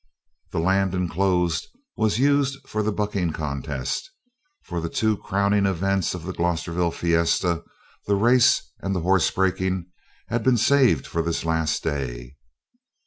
The land enclosed was used for the bucking contest, for the two crowning events of the Glosterville fiesta, the race and the horse breaking, had been saved for this last day.